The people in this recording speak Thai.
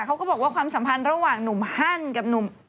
เขาก็บอกว่าความสัมพันธ์ระหว่างหนุ่มฮั่นกับหนุ่ม